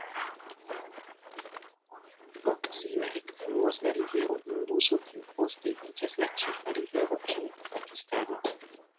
Proksime ekfluas la rivero Induso kiu poste iĝas la ĉefa rivero en Pakistano.